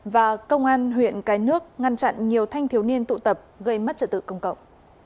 và công an huyện cái nước ngăn chặn nhiều thanh thiếu niên tụ tập gây mất trật tự công cộng